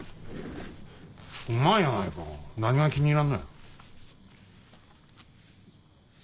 うまいやないか何が気に入らんのや。